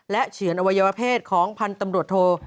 เฉือนอวัยวเพศของพันธ์ตำรวจโท